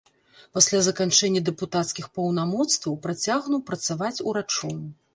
Пасля заканчэння дэпутацкіх паўнамоцтваў працягнуў працаваць урачом.